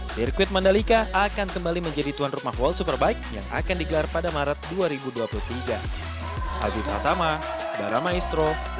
sirkuit mandalika akan kembali menjadi tuan rumah world superbike yang akan digelar pada maret dua ribu dua puluh tiga